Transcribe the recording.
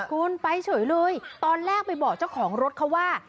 คุณไปเฉยเลยตอนแรกไปบอกเจ้าของรถเขาว่า